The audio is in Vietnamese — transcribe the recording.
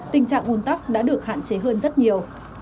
tình trạng un tắc đã được hạn chế hơn rất nhiều